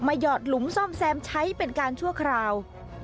หยอดหลุมซ่อมแซมใช้เป็นการชั่วคราว